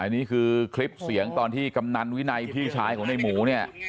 นี่คือคลิปเสียงตอนที่กำนันวินัยพี่ชายของในหมูเนี่ย